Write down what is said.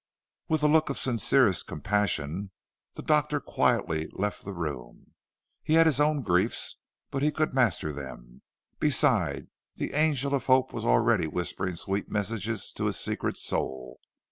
With a look of sincerest compassion the Doctor quietly left the room. He had his own griefs, but he could master them; beside, the angel of hope was already whispering sweet messages to his secret soul.